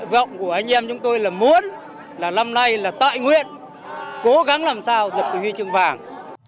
vọng của anh em chúng tôi là muốn là lâm nay là tại nguyện cố gắng làm sao giật thúy trứng bạc